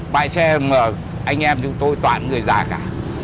máy xe mà anh em chúng tôi toàn người già cả